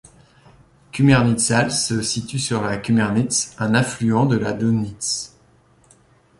Kümmernitztal se situe sur la Kümmernitz, un affluent de la Dömnitz.